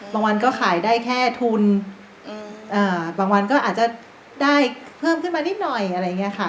วันก็ขายได้แค่ทุนบางวันก็อาจจะได้เพิ่มขึ้นมานิดหน่อยอะไรอย่างนี้ค่ะ